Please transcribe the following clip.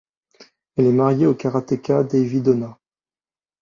Elle est mariée au karatéka Davy Dona.